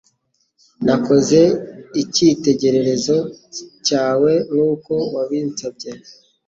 Nakoze icyitegererezo cyawe nkuko wabitsabye